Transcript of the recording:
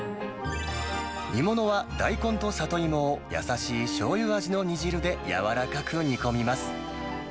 煮物は大根とサトイモを優しいしょうゆ味の煮汁でやわらかく煮込みます。